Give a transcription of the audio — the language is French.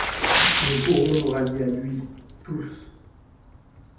Nous pourrons nous rallier à lui, tous!